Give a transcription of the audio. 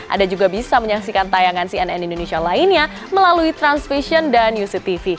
anda juga bisa menyaksikan tayangan cnn indonesia lainnya melalui transvision dan uctv